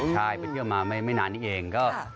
ใช่ไปเที่ยวมาไม่นานนี้เองก็